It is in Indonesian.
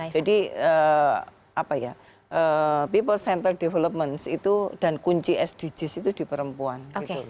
jadi apa ya people centered development itu dan kunci sdgs itu di perempuan